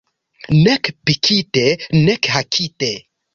Nek pikite, nek hakite.